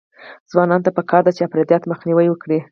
ځوانانو ته پکار ده چې، افراطیت مخنیوی وکړي.